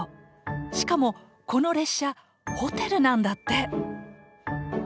しかもこの列車ホテルなんだって！